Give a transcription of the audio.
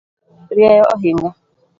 Rieyo ahinga